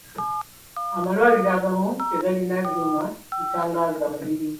Amalwaliro agamu tegalina byuma bitangaaza mubiri.